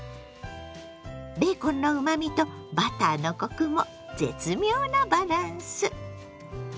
ベーコンのうまみとバターのコクも絶妙なバランス！